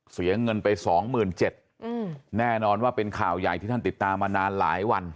เสียเงินไปสองหมื่นเจ็ดอืมแน่นอนว่าเป็นข่าวใหญ่ที่ท่านติดตามมานานหลายวัน